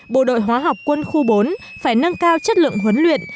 bộ đội hóa học quân khu bốn phải nâng cao chất lượng huấn luyện